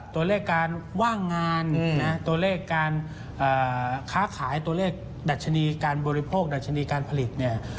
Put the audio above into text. ตัวเลขการว่างงานนะตัวเลขการค้าขายตัวเลขดัชนีการบริโภคดัชนีการผลิตเนี่ย